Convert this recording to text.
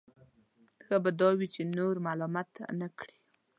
ښه به دا وي چې نور ملامته نه کړي.